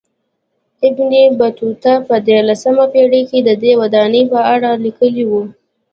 ابن بطوطه په دیارلسمه پېړۍ کې ددې ودانۍ په اړه لیکلي و.